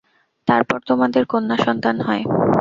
তারপর তোমাদের কন্যা সন্তান হয়।